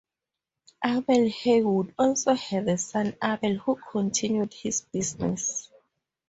Abel Heywood also had a son Abel who continued his business.